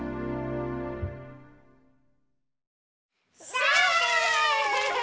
さあ！